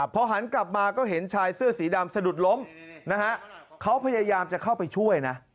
พอหันกลับมาก็เห็นชายเสื้อสีดำสะดุดล้มนะฮะเขาพยายามจะเข้าไปช่วยนะ